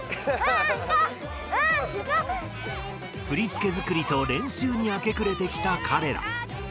振付づくりと練習にあけくれてきた彼ら。